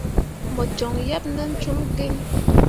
Mo joŋ yeb nen cum gǝǝai.